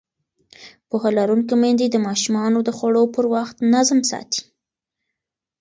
پوهه لرونکې میندې د ماشومانو د خوړو پر وخت نظم ساتي.